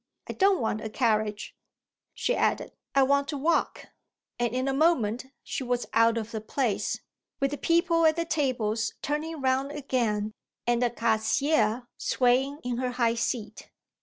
I don't want a carriage," she added: "I want to walk" and in a moment she was out of the place, with the people at the tables turning round again and the caissière swaying in her high seat.